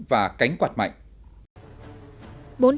và cánh quạt mạnh